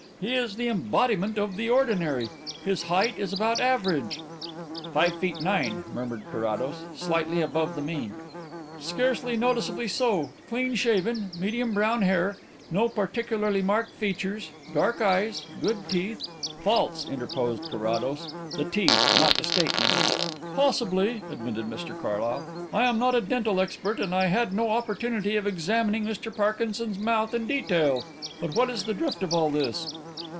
He is the embodiment of the ordinary. His height is about average " "Five feet nine," murmured Carrados. "Slightly above the mean." "Scarcely noticeably so. Clean shaven. Medium brown hair. No particularly marked features. Dark eyes. Good teeth." "False," interposed Carrados. "The teeth not the statement." "Possibly," admitted Mr Carlyle. "I am not a dental expert and I had no opportunity of examining Mr Parkinson's mouth in detail. But what is the drift of all this?"